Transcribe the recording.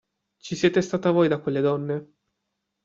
Ci siete stata voi da quelle donne?